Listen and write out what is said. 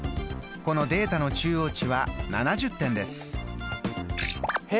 このデータの中央値は７０点です。